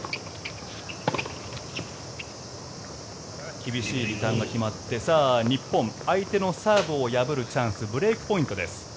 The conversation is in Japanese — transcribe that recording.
厳しいリターンが決まって日本は相手のサーブを破るチャンスブレークポイントです。